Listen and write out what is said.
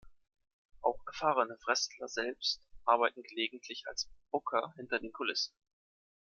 Auch erfahrene Wrestler selbst arbeiten gelegentlich als Booker hinter den Kulissen.